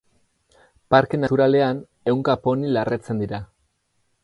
Parke Naturalean ehunka poni larretzen dira.